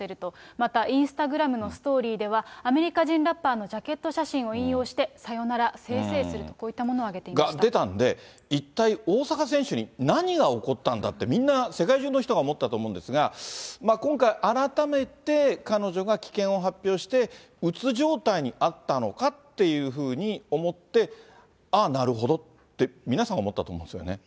またインスタグラムのストーリーでは、アメリカ人ラッパーのジャケット写真を引用して、さよなら、せいせいすると、が、出たんで、一体、大坂選手に何が起こったんだって、みんな、世界中の人が思ったと思うんですが、今回、改めて彼女が棄権を発表して、うつ状態にあったのかっていうふうに思って、ああ、なるほどって、皆さん思ったと思うんですよね。